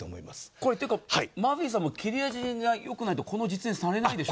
これ、マーフィーさんも切れ味がよくないとこの実演されないでしょ？